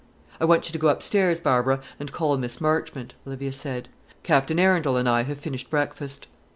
"I want you to go up stairs, Barbara, and call Miss Marchmont," Olivia said. "Captain Arundel and I have finished breakfast."